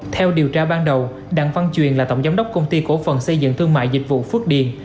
theo điều tra ban đầu đặng văn truyền là tổng giám đốc công ty cổ phần xây dựng thương mại dịch vụ phước điền